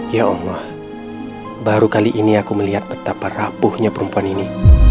ya allah baru kali ini aku melihat betapa rapuhnya perempuan ini